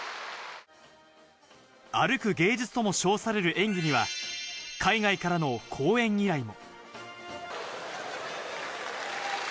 歩く芸術とも称される演技には海外からの公演依頼も。